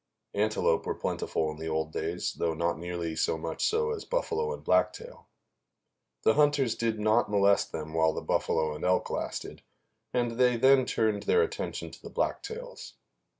Antelope were plentiful in the old days, though not nearly so much so as buffalo and blacktail. The hunters did not molest them while the buffalo and elk lasted, and they then turned their attention to the blacktails.